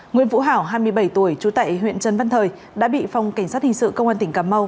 nguyễn vũ hảo hai mươi bảy tuổi trú tại huyện trần văn thời đã bị phòng cảnh sát hình sự công an tỉnh cà mau